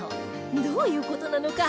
どういう事なのか